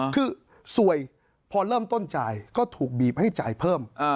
คือสวยพอเริ่มต้นจ่ายก็ถูกบีบให้จ่ายเพิ่ม